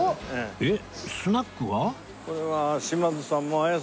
えっスナックは？